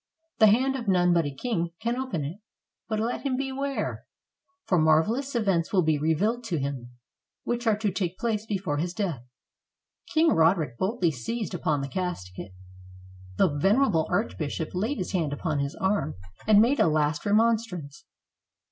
The hand of none but a king can open it; but let him beware! for marvelous events will be revealed to him, which are to take place before his death." King Roderick boldly seized upon the casket. The venerable archbishop laid his hand upon his arm, and made a last remonstrance.